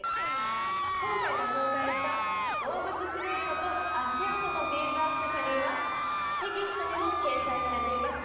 今回ご紹介した動物シルエットと足あとのビーズアクセサリーはテキストにも掲載されています。